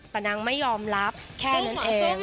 แต่นางไม่ยอมรับแค่นั้นเอง